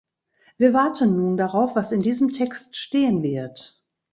Wir warten nun darauf, was in diesem Text stehen wird.